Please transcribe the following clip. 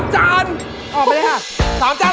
๓จาน